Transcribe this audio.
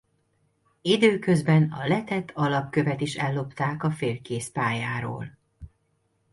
Időközben a letett alapkövet is ellopták a félkész pályáról.